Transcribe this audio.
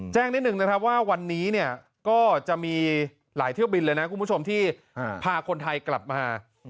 แจ้งนิดนึงนะครับว่าวันนี้เนี่ยก็จะมีหลายเที่ยวบินเลยนะคุณผู้ชมที่พาคนไทยกลับมา